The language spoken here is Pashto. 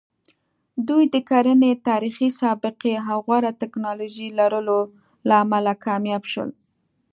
دوی د کرنې تاریخي سابقې او غوره ټکنالوژۍ لرلو له امله کامیاب شول.